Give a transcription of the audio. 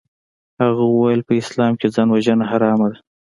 هغه وويل په اسلام کښې ځانوژنه حرامه ده.